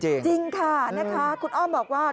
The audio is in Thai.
จริงค่ะนะคะคุณอ้อมบอกว่า